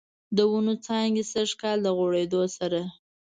د ونوو څانګې سږکال، د غوړیدو سره